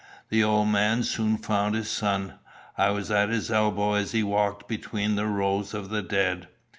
The old man soon found his son. I was at his elbow as he walked between the rows of the dead.